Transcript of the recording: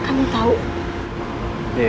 sekarang kamu kerja jadi pengasuh anak